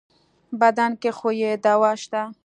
بدن کې خو يې دوا شته.